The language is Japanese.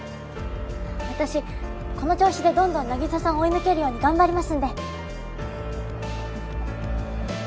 私この調子でどんどん凪沙さんを追い抜けるように頑張りますんで！